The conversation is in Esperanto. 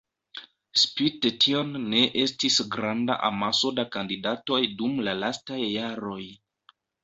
Spite tion ne estis granda amaso da kandidatoj dum la lastaj jaroj.